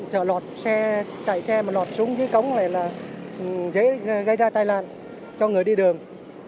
sợ lọt xe chạy xe mà lọt xuống dưới cống này là dễ gây ra tai nạn cho người đi đường